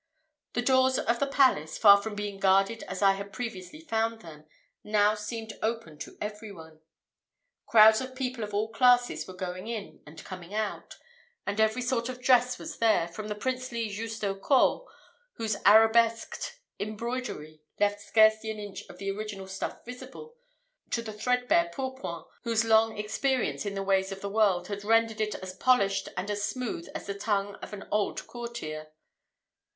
The doors of the palace, far from being guarded as I had previously found them, now seemed open to every one. Crowds of people of all classes were going in and coming out; and every sort of dress was there, from the princely justaucorps, whose arabesqued embroidery left scarcely an inch of the original stuff visible, to the threadbare pourpoint, whose long experience in the ways of the world had rendered it as polished and as smooth as the tongue of an old courtier.